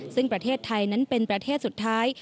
ซึ่งประเทศไทยนั้นเป็นประเทศสุดท้าย